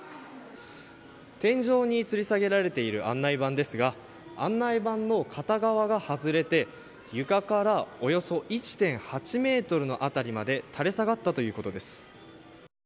天井につり下げられている案内板ですが案内板の片側が外れて床からおよそ１．８ｍの辺りまで垂れ下がったということです。